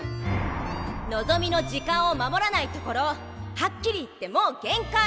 のぞみの時間を守らないところはっきり言ってもう限界！